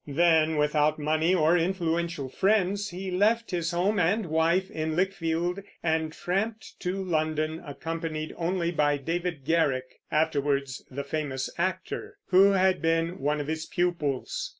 Then, without money or influential friends, he left his home and wife in Lichfield and tramped to London, accompanied only by David Garrick, afterwards the famous actor, who had been one of his pupils.